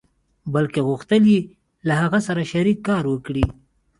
بلکې غوښتل يې له هغه سره شريک کار وکړي.